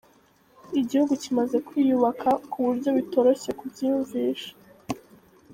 Igihugu kimaze kwiyubaka, ku buryo bitororshye kubyiyumvisha.